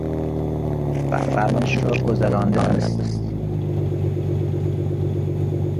قرانش را گذرانده است